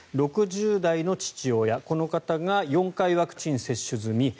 ６０代の父親がこの方が４回ワクチン接種済み。